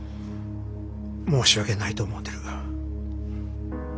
申し訳ないと思うてる。